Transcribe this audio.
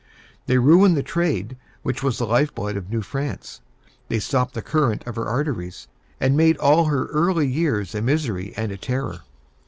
They ruined the trade which was the life blood of New France; they stopped the current of her arteries, and made all her early years a misery and a terror.